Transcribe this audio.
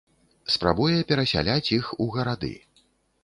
Спрабуе перасяляць іх у гарады.